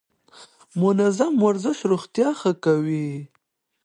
منظم ورزش روغتيا ښه کوي.